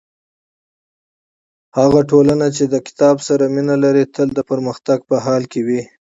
هغه ټولنه چې کتاب سره مینه لري تل د پرمختګ په حال کې وي.